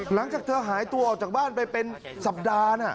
หลังจากเธอหายตัวออกจากบ้านไปเป็นสัปดาห์